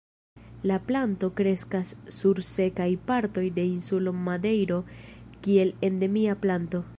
La planto kreskas sur sekaj partoj de insulo Madejro kiel endemia planto.